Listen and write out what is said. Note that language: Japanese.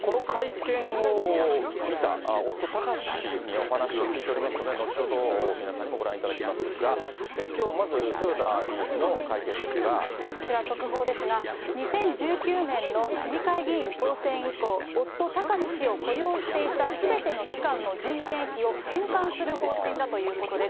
この会見を見た夫、貴志氏にお話を聞いておりますので、後ほど皆さんにもご覧いただきますが、きょう、まず豊田議員の会こちら、速報ですが、２０１９年の市議会議員当選以降、夫、貴志氏を雇用していたすべての期間の人件費を返還する方針だということです。